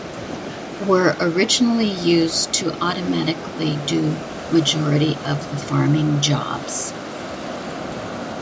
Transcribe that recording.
Were originally used to automatically do majority of the farming jobs.